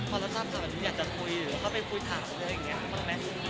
พอแล้วทราบจากนี้อยากจะคุยหรือเขาไปคุยถามอะไรอย่างนี้บ้างมั้ย